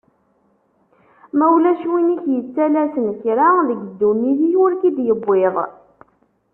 Ma ulac win ik-yettalasen kra, deg dunnit-ik ur k-id-yewwiḍ.